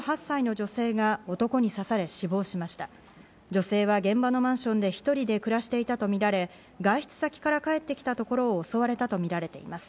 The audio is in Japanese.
女性は現場のマンションで１人で暮らしていたとみられ、外出先から帰ってきたところを襲われたとみられています。